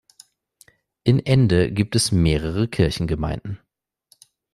In Ende gibt es mehrere Kirchengemeinden.